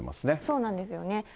そうなんですよね。